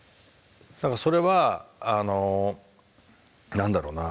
だからそれはあの何だろうな